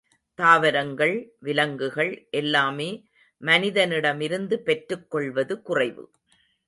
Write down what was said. தாவரங்கள், விலங்குகள் எல்லாமே மனிதனிடமிருந்து பெற்றுக் கொள்வது குறைவு.